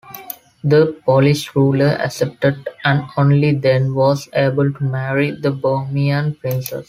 The Polish ruler accepted, and only then was able to marry the Bohemian princess.